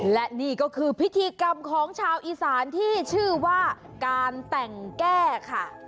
และนี่ก็คือพิธีกรรมของชาวอีสานที่ชื่อว่าการแต่งแก้ค่ะ